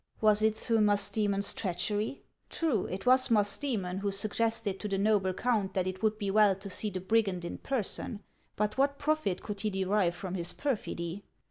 Was it through Musdcemon's treachery ? True, it was Musdcemon who suggested to the noble oo count that it would be well to see the brigand in person ; but what profit could he derive from his perfidy